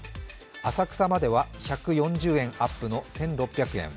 浅草までは１４０円アップの１６００円